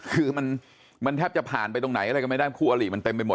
คือมันแทบจะผ่านไปตรงไหนอะไรก็ไม่ได้คู่อลิมันเต็มไปหมด